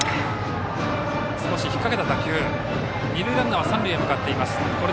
二塁ランナーは三塁に向かっています。